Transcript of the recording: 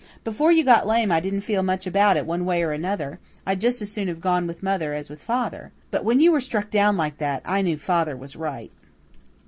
Before you got lame I didn't feel much about it one way or another; I'd just as soon have gone with mother as with father. But, when you were struck down like that, I knew father was right."